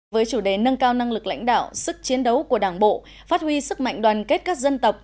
với chủ đề nâng cao năng lực lãnh đạo sức chiến đấu của đảng bộ phát huy sức mạnh đoàn kết các dân tộc